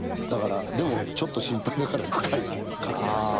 だからでもちょっと心配だから書いて。